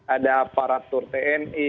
ada aparatur tni